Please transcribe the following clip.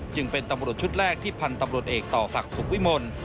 จึงเป็นตำรวจชุดแรกที่พันธุ์ตำรวจเอกต่อศักดิ์สุขวิมล